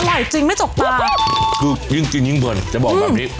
อร่อยจริงไม่จกตากินยิ่งเหมือนจะบอกแบบนี้